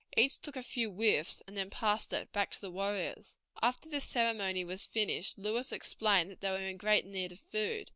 Each took a few whiffs, and then passed it back to the warriors. After this ceremony was finished, Lewis explained that they were in great need of food.